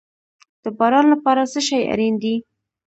د باران لپاره څه شی اړین دي؟